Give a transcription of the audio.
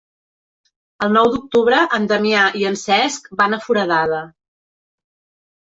El nou d'octubre en Damià i en Cesc van a Foradada.